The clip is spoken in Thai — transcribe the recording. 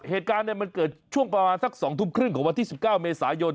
เหตุการณ์มันเกิดช่วงประมาณสัก๒ทุ่มครึ่งของวันที่๑๙เมษายน